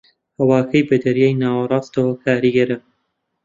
ھەواکەی بە دەریای ناوەڕاستەوە کاریگەرە